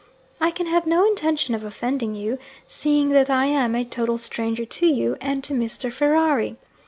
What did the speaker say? I can have no intention of offending you, seeing that I am a total stranger to you and to Mr. Ferrari.